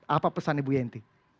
apa pesan ibu yenty